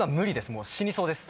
もう死にそうです。